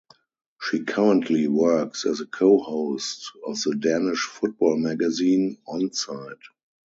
She currently works as co-host of the Danish football magazine, Onside.